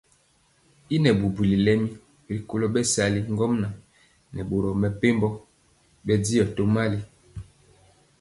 Yi nɛ bubuli lemi rikolo bɛsali ŋgomnaŋ nɛ boro mepempɔ bɛndiɔ tomali.